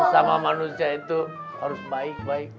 sesama manusia itu harus baik baik